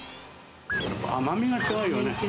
甘みが違うよね。